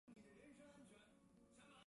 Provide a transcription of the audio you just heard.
北齐天保六年。